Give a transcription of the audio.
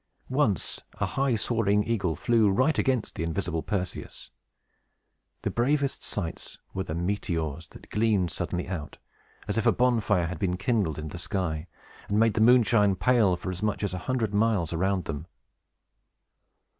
Once, a high soaring eagle flew right against the invisible Perseus. The bravest sights were the meteors, that gleamed suddenly out, as if a bonfire had been kindled in the sky, and made the moonshine pale for as much as a hundred miles around them.